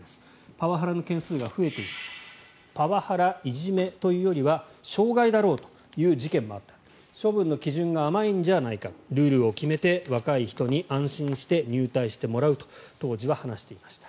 パワハラの件数が増えているパワハラ、いじめというよりは障害だろうという事件もあった処分の基準が甘いんじゃないかルールを決めて、若い人に安心して入隊してもらうと当時は話していました。